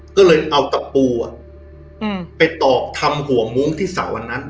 ก็เลยเอาตะปูอ่ะอืมไปตอบทำหัวมุ้งที่เสาอันนั้น